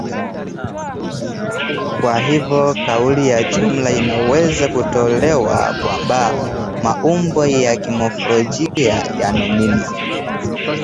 Kwa hivyo kauli ya jumla inaweza kutolewa kwamba maumbo ya kimofolojia ya nomino